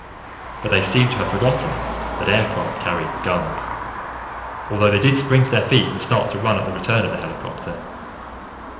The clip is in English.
But they seemed to have forgotten that aircraft carried guns, although they did spring to their feet and start to run at the return of the helicopter.